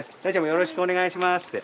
「よろしくお願いします」って。